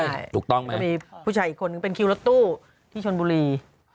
ใช่ถูกต้องไหมครับก็มีผู้ชายอีกคนนึงเป็นคิวรถตู้ที่ชนบุรี